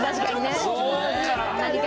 そうか！